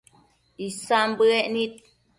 Isan bëec nid